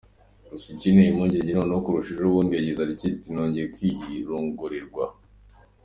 Gusa ikinteye impungenge noneho kurusha ejo bundi yagize atya ati ko ngiye kwirongorerwa